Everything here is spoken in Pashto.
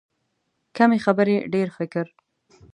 کمې خبرې، ډېر فکر.